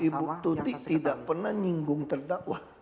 ibu tudik tidak pernah nyinggung terdakwa